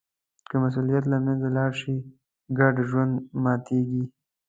که مسوولیت له منځه لاړ شي، ګډ ژوند ماتېږي.